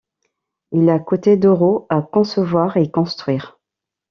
Il a coûté d'euros à concevoir et construire.